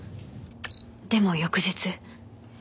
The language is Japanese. でも翌日。